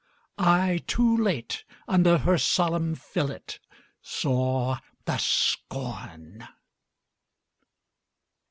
I, too late, Under her solemn fillet saw the scorn.